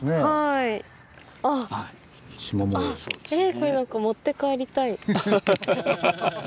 えこれなんか持って帰りたい。